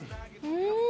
うん！